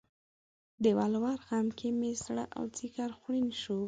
د ولور غم کې مې زړه او ځیګر خوړین شو